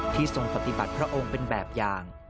ทรงปฏิบัติพระองค์เป็นแบบอย่าง